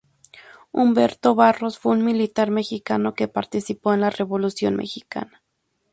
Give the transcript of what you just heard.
Humberto Barros fue un militar mexicano que participó en la Revolución mexicana.